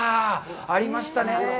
ありましたねー。